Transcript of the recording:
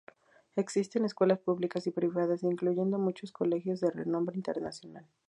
Existen escuelas públicas y privadas, incluyendo muchos colegios de renombre internacional.